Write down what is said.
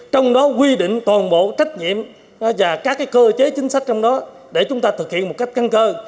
trong đó quy định toàn bộ trách nhiệm và các cơ chế chính sách trong đó để chúng ta thực hiện một cách căn cơ